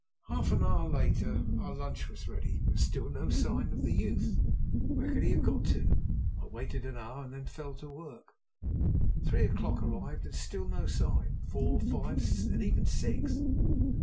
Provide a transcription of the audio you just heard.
Half an hour later our lunch was ready, but still no sign came of the youth. Where could he have got to? I waited an hour and then fell to work. Three o'clock arrived and still no sign four, five, and even six.